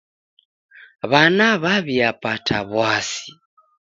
W'ana w'aw'iapata w'asi.